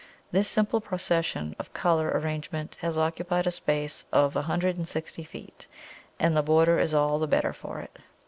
This simple procession of colour arrangement has occupied a space of a hundred and sixty feet, and the border is all the better for it.